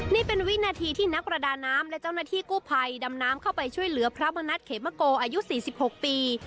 นี่เป็นวินาทีที่นักประดาน้ำและเจ้าหน้าที่กู้ภัยดำน้ำเข้าไปช่วยเหลือพระมณัฐเขมโกอายุ๔๖ปี